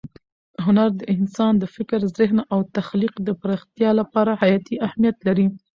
هنر د انسان د فکر، ذهن او تخلیق د پراختیا لپاره حیاتي اهمیت لري.